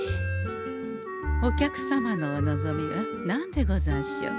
お客様のお望みは何でござんしょう？